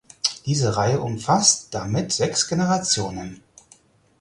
Diese Reihe umfasst damit sechs Generationen.